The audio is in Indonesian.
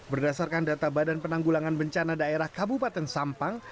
berdasarkan data badan penanggulangan bencana daerah kabupaten sampang